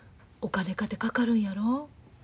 お金かてかかるんやろ。